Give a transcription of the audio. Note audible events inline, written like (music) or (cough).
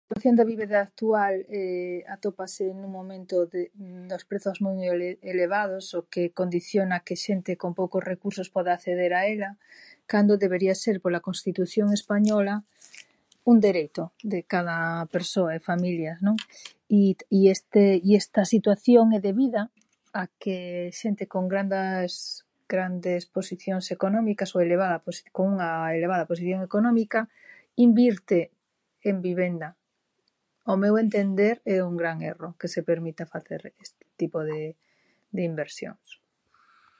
A situación da vivienda actual (hesitation) atópase nun momento de, nos prezos moi ele- elevados o que condiciona que xente con poucos recursos poda acceder a ela cando debería ser, pola constitución española, un dereito de cada persoa e familia, non? i i este i esta situación é debida a que xente con grandas, grandes posicións económicas ou elevadas, cunha elevada posición económica, invirte en vivenda. Ao meu entender é un gran erro que se permita facer este tipo de de inversións.